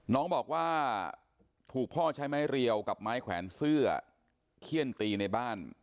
น้องบอกว่าถูกพ่อใช้ไม้เรียวกับไม้แขวนเสื้อเขี้ยนตีในบ้าน